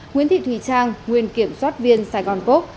nguyễn thị thùy trang nguyên kiểm soát viên sài gòn cốc